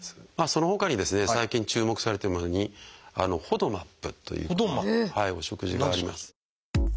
そのほかにですね最近注目されてるものに「ＦＯＤＭＡＰ」というお食事があります。